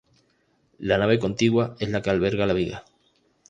La nave contigua es la que alberga la viga.